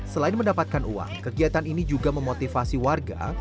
selain mendapatkan uang kegiatan ini juga memotivasi warga